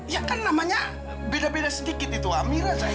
ya kan namanya beda beda sedikit itu amira zaira